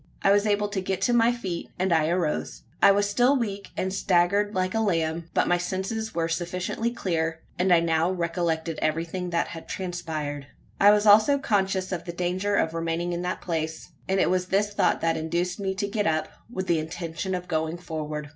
I was able to get to my feet; and I arose. I was still weak, and staggered like a lamb; but my senses were sufficiently clear; and I now recollected everything that had transpired. I was also conscious of the danger of remaining in that place; and it was this thought that induced me to get up with the intention of going forward.